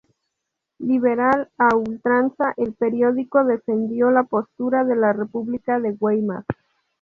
Liberal a ultranza, el periódico defendió la postura de la República de Weimar.